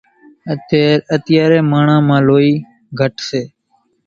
اتيارين ماڻۿان مان لوئِي گھٽ سي۔